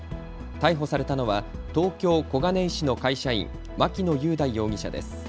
逮捕されたのは東京小金井市の会社員、牧野雄大容疑者です。